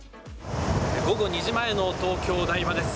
午後２時前の東京、台場です。